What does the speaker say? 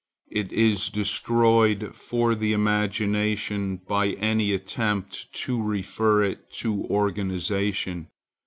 It is destroyed for the imagination by any attempt to refer it to organization.